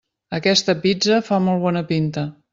Aquesta pizza fa molt bona pinta.